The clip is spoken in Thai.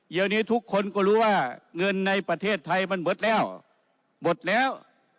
เดี๋ยวนี้ทุกคนก็รู้ว่าเงินในประเทศไทยมันหมดแล้วหมดแล้ว